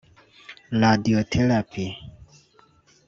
‘radiotherapie’